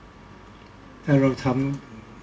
ก็ต้องทำอย่างที่บอกว่าช่องคุณวิชากำลังทำอยู่นั่นนะครับ